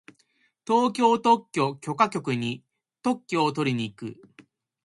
東京特許許可局に特許をとりに行く。